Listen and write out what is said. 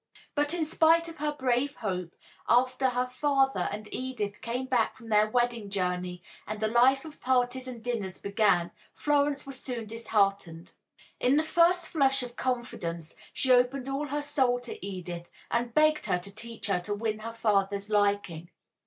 But in spite of her brave hope, after her father and Edith came back from their wedding journey and the life of parties and dinners began, Florence was soon disheartened. In the first flush of confidence she opened all her soul to Edith and begged her to teach her to win her father's liking.